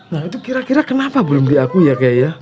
nah itu kira kira kenapa belum diakui ya kiai